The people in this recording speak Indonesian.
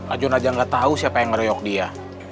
ajun aja nggak tahu siapa yang ngeroyok dia